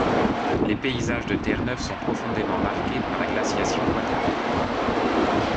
Les paysages de Terre-Neuve sont profondément marqués par la glaciation quaternaire.